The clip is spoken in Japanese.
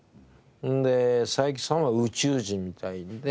で斉木さんは宇宙人みたいで。